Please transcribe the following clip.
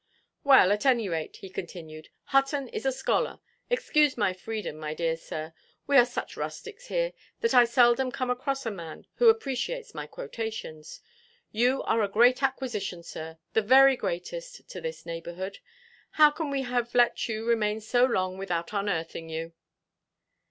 "Well, at any rate," he continued, "Hutton is a scholar—excuse my freedom, my dear sir; we are such rustics here, that I seldom come across a man who appreciates my quotations. You are a great acquisition, sir, the very greatest, to this neighbourhood. How can we have let you remain so long without unearthing you?"